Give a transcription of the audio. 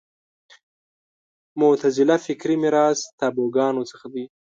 معتزله فکري میراث تابوګانو څخه دی